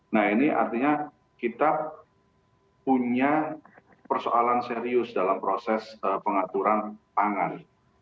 nah ini artinya kita punya persoalan serius dalam proses pengaturan pangan